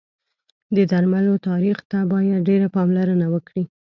د درملو تاریخ ته باید ډېر پاملرنه وکړی